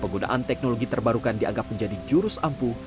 penggunaan teknologi terbarukan dianggap menjadi jurus ampuh